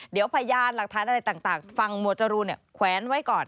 เดี๋ยวพยานหลักฐานอะไรต่างฟังหมวดจรูนแขวนไว้ก่อน